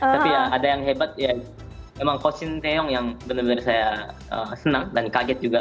tapi ya ada yang hebat ya memang coach sinteyong yang benar benar saya senang dan kaget juga